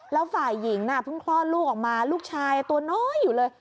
แล้วฝ่ายหญิงน่ะเพิ่งคลอดลูกออกมาลูกชายตัวน้อยอยู่เลย